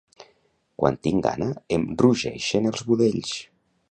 Quan tinc gana em rugeixen els budells